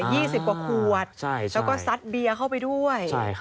ยี่สิบกว่าขวดใช่ใช่แล้วสัดเบียร์เข้าไปด้วย